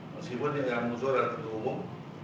meskipun yang usul adalah terumum